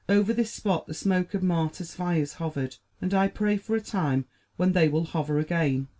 Over this spot the smoke of martyr fires hovered. And I pray for a time when they will hover again.